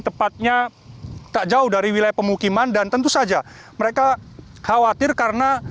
tepatnya tak jauh dari wilayah pemukiman dan tentu saja mereka khawatir karena